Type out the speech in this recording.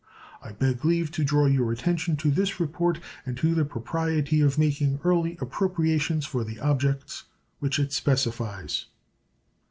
I beg leave to draw your attention to this report, and to the propriety of making early appropriations for the objects which it specifies.